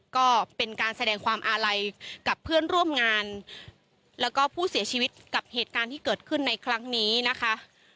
ก็เป็นการแสดงความอาลัยกับเพื่อนร่วมงานแล้วก็ผู้เสียชีวิตกับเหตุการณ์ที่เกิดขึ้นในครั้งนี้นะคะ